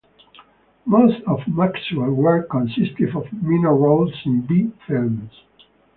Most of Maxwell's work consisted of minor roles in B films.